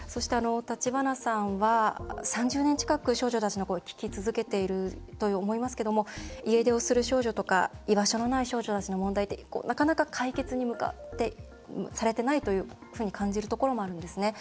橘さんは、３０年近く少女たちの声聞き続けていると思いますけども家出をする少女とか居場所のない少女たちの問題ってなかなか解決されてないというふうに感じるところもあるんですね。